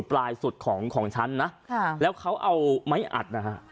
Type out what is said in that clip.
ปลายสุดของของฉันนะแล้วเขาเอาไม้อัดนะฮะ